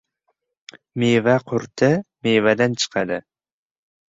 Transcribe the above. • Meva qurti mevadan chiqadi.